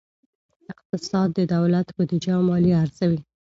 اقتصاد د دولت بودیجه او مالیه ارزوي.